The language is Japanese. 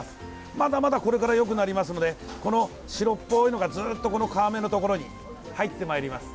まだまだこれからよくなりますのでこの白っぽいのがずっと、この皮目のところに入ってまいります。